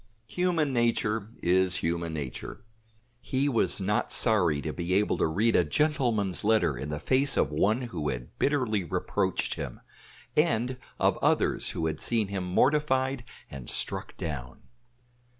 Human nature is human nature. He was not sorry to be able to read a gentleman's letter in the face of one who had bitterly reproached him, and of others who had seen him mortified and struck down.